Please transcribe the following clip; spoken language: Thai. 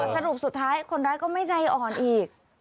สรุปสุดท้ายคนร้ายก็ไม่ใจอ่อนอีก